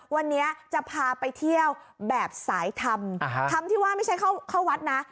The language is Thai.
วันนี้จะพาไปเที่ยวแบบสายธรรมธรรมที่ว่าไม่ใช่เข้าวัดนะ